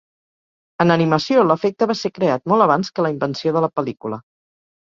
En animació, l’efecte va ser creat molt abans que la invenció de la pel·lícula.